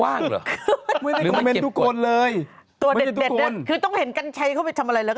ว่างเหรอไม่ได้คอมเมนต์ทุกคนเลยไม่ได้ทุกคนคือต้องเห็นกัญชัยเข้าไปทำอะไร